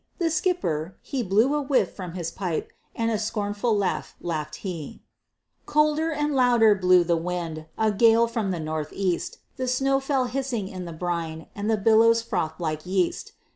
The skipper, he blew a whiff from his pipe, And a scornful laugh laughed he. Colder and louder blew the wind, A gale from the Northeast, The snow fell hissing in the brine, And the billows frothed like yeast.